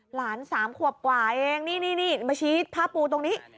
๓ขวบกว่าเองนี่มาชี้ผ้าปูตรงนี้